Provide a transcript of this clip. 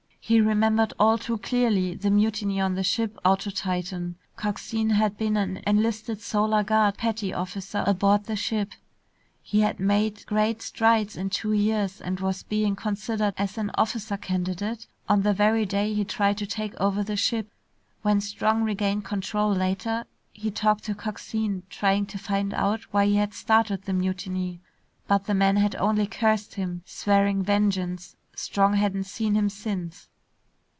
He remembered all too clearly the mutiny on the ship out to Titan. Coxine had been an enlisted Solar Guard petty officer aboard the ship. He had made great strides in two years and was being considered as an officer candidate on the very day he tried to take over the ship. When Strong regained control later, he talked to Coxine, trying to find out why he had started the mutiny. But the man had only cursed him, swearing vengeance. Strong hadn't seen him since.